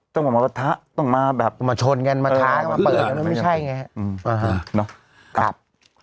ต้องมาประทะต้องมาแบบมาชนกันมาท้ากันมาเปิดกันไม่ใช่ไงอ่าฮะครับ